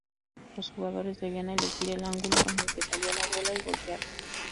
Los jugadores debían elegir el ángulo en el que salía la bola y golpearla.